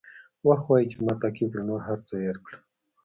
وخت وایي چې ما تعقیب کړه نور هر څه هېر کړه.